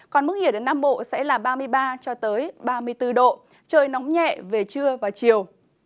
còn mức nhiệt ở nam bộ sẽ là ba mươi ba ba mươi bốn độ trời nóng nhẹ về trưa và chiều